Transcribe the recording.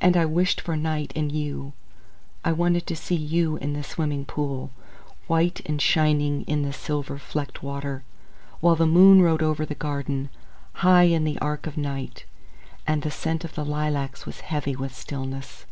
And I wished for night and you. I wanted to see you in the swimming pool, White and shining in the silver flecked water. While the moon rode over the garden, High in the arch of night, And the scent of the lilacs was heavy with stillness.